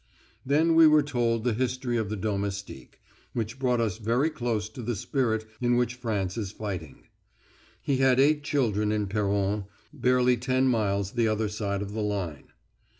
Then we were told the history of the domestique, which brought one very close to the spirit in which France is fighting. He had eight children in Peronne, barely ten miles the other side of the line.